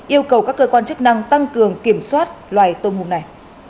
yêu cầu các cơ quan chức năng tăng cường kiểm soát loài tôm hùng này